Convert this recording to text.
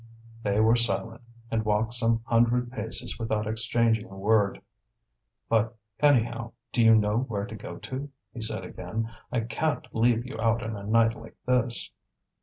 They were silent, and walked some hundred paces without exchanging a word. "But, anyhow, do you know where to go to?" he said again. "I can't leave you out in a night like this."